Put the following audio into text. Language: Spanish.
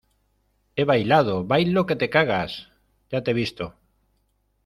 he bailado. bailo que te cagas . ya te he visto .